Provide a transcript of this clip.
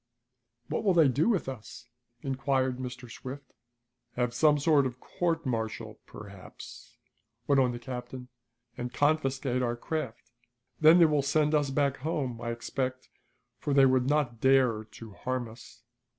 "What will they do with us?" inquired Mr. Swift. "Have some sort of a court martial, perhaps," went on the captain, "and confiscate our craft. Then they will send us back home, I expect for they would not dare harm us."